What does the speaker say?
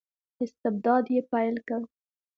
استبداد یې پیل کړ.